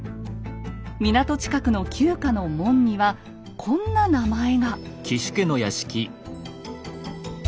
港近くの旧家の門にはこんな名前が。